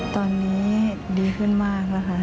ตอนนี้ดีขึ้นมากนะคะ